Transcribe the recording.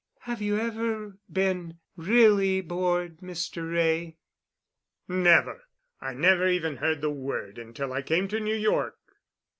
Have you ever been really bored, Mr. Wray?" "Never. I never even heard the word until I came to New York."